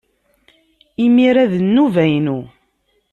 Imir-a d nnuba-inu!